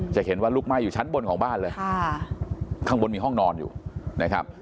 จะเห็นว่าลุกไหม้อยู่ชั้นบนของบ้านเลยข้างบนมีห้องนอนอยู่นะครับ